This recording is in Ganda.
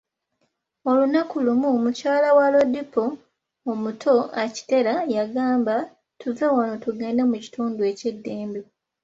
Olunaku lumu, mukyala wa Lodipo omuto, Akitela, yagamba, tuve wano tugende mu kitundu eky'eddembe.